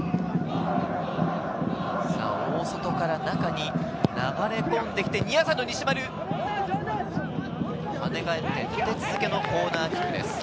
大外から中に流れ込んで来て、ニアサイド、西丸。跳ねかえって、立て続けのコーナーキックです。